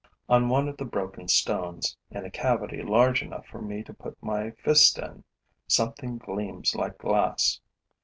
On one of the broken stones, in a cavity large enough for me to put my fist in, something gleams like glass.